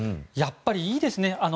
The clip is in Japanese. やっぱりいいですね。